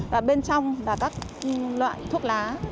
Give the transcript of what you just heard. và bên trong là các loại thuốc lá